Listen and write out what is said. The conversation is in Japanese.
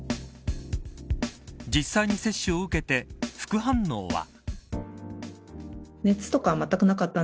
実際に接種を受けて副反応は。